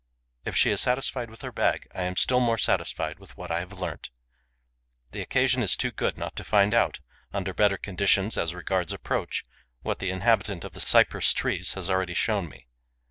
If she is satisfied with her bag, I am still more satisfied with what I have learnt. The occasion is too good not to find out, under better conditions as regards approach, what the inhabitant of the cypress trees has already shown me.